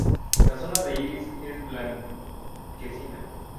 La zona del iris es blanquecina.